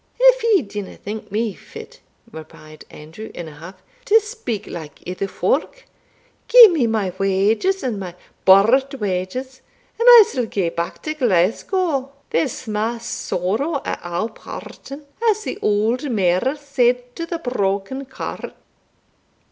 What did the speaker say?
"If ye dinna think me fit," replied Andrew, in a huff, "to speak like ither folk, gie me my wages and my board wages, and I'se gae back to Glasgow There's sma' sorrow at our parting, as the auld mear said to the broken cart."